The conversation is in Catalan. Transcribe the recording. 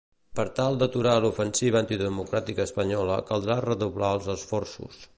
Per tal d'aturar l'ofensiva antidemocràtica espanyola caldrà redoblar els esforços.